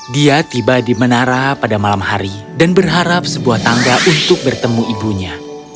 dia tiba di menara pada malam hari dan berharap sebuah tangga untuk bertemu ibunya